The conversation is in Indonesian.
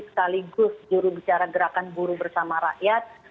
sekaligus juru bicara gerakan buruh bersama rakyat